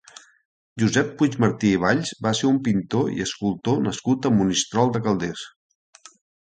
Josep Puigmartí i Valls va ser un pintor i escultor nascut a Monistrol de Calders.